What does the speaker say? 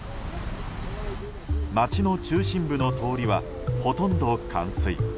街の中心部の通りはほとんど冠水。